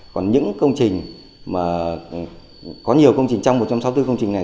còn những công trình mà có nhiều công trình trong một trăm sáu mươi bốn công trình này